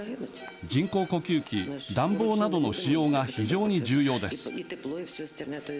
人工呼吸器、暖房などの使用が非常に重要です。